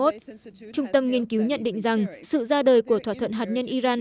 trung tâm nghiên cứu nhận định rằng sự ra đời của thỏa thuận hạt nhân iran